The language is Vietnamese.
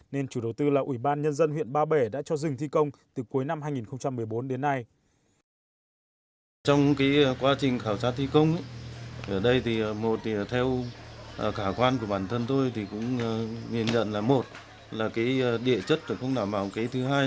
nên chủ đầu tư là ủy ban nhân dân huyện ba bể đã cho dừng thi công từ cuối năm hai nghìn một mươi bốn đến nay